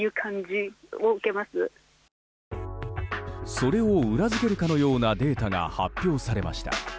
それを裏付けるかのようなデータが発表されました。